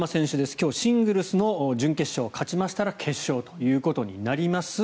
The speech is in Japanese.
今日、シングルスの準決勝勝ちましたら決勝ということになります。